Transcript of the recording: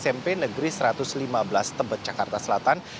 smp negeri satu ratus lima belas tebet jakarta selatan